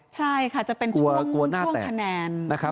ใช่ค่ะจะเป็นช่วงน่าแตก